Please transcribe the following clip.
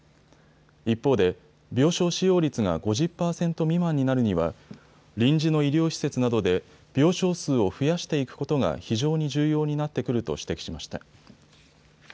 一方で病床使用率が５０％未満になるには臨時の医療施設などで病床数を増やしていくことが非常に重要になってくると指摘しました。